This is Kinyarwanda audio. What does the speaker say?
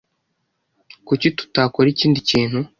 Kuki tutakora ikindi kintu?